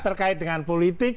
terkait dengan politik